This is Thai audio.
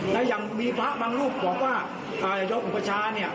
และยังมีภาคบางรูปบอกว่ายกอุปชาเนี่ย